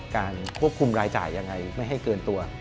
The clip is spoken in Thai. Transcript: ควบคุมรายจ่ายยังไงไม่ให้เกินตัว